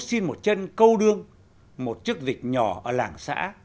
xin một chân câu đương một chức dịch nhỏ ở làng xã